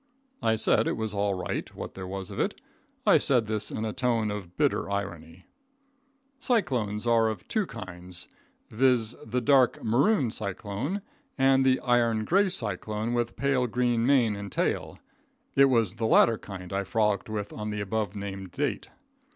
I said it was all right, what there was of it. I said this in a tone of bitter irony. Cyclones are of two kinds, viz: the dark maroon cyclone; and the iron gray cyclone with pale green mane and tail. It was the latter kind I frolicked with on the above named date.